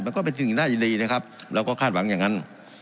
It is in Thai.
ก็เป็นสิ่งน่ายินดีนะครับเราก็คาดหวังอย่างนั้น